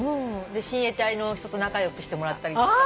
親衛隊の人と仲良くしてもらったりとか。